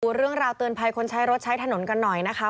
เรื่องราวเตือนภัยคนใช้รถใช้ถนนกันหน่อยนะคะ